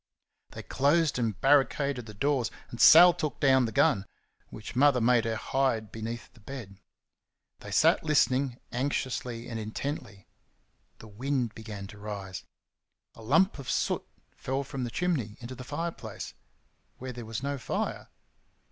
They closed and barricaded the doors, and Sal took down the gun, which Mother made her hide beneath the bed. They sat listening, anxiously and intently. The wind began to rise. A lump of soot fell from the chimney into the fireplace where there was no fire.